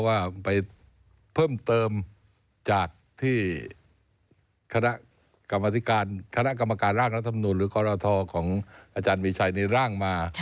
ว่าไปเพิ่มเติมจากที่คณะกรรมการร่างรัฐมนุนหรือกรทของอาจารย์มิชัยนิร่างมา